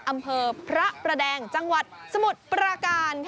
อำเภอพระประแดงจังหวัดสมุทรปราการ